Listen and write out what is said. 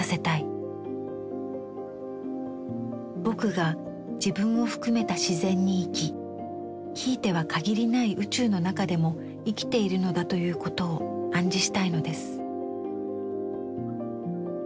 「『ぼく』が自分を含めた自然に生きひいては限りない宇宙の中でも生きているのだということを暗示したいのです」。